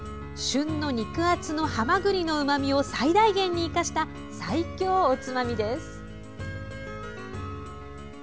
旬の肉厚のはまぐりのうまみを最大限に生かした最強おつまみです。